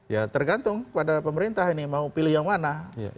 ya tergantung pada pemerintah ini mau pilih yang mana